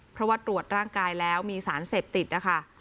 เพราะว่าตรวจร่างกายแล้วมีสารเสพติดนะคะ